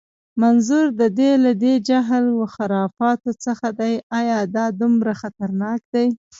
منظور دې له دې جهل و خرافاتو څه دی؟ ایا دا دومره خطرناک دي؟